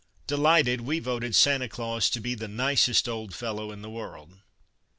Delighted we voted Sancta Claus to be the nicest old fellow in the world.